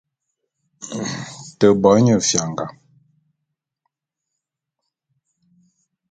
Te bo nye fianga.